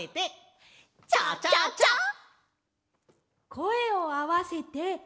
こえをあわせて。